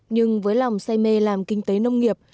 nhưng với lòng say mê làm kinh tế nông nghiệp